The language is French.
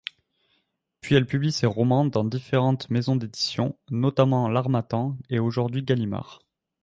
Puis elle publie ses romans dans différentes maisons d'édition, notamment l'Harmattan et aujourd'hui Gallimard.